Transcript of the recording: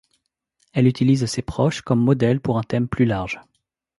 Elle utilise ses proches comme modèles pour un thème plus large.